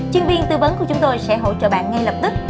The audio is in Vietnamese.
chuyên viên tư vấn của chúng tôi sẽ hỗ trợ bạn ngay lập tức